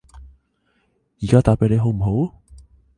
而家打畀你好唔好？